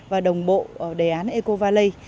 và đồng bộ đề án eco valley